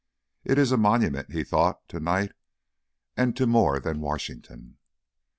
"It is a monument," he thought, to night, "and to more than Washington."